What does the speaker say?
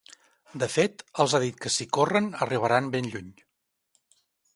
De fet, els ha dit que si corren arribaran ben lluny.